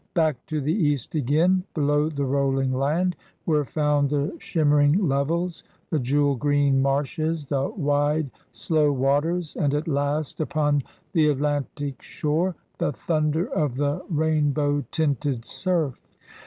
Back to the east again, below the rolling land, were found the shimmermg levels, the jewel green marshes, the wide, slow waters, and at last upon the Atlantic shore the thunder of the rainbow tinted surf.